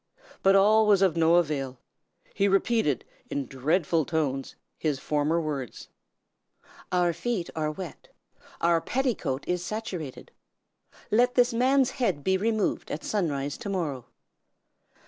But all was of no avail. He repeated, in dreadful tones, his former words: "'Our feet are wet. Our petticoat is saturated. Let this man's head be removed at sunrise to morrow.'